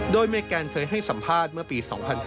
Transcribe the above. โดยเมแกนเคยให้สัมภาษณ์เมื่อปี๒๕๕๙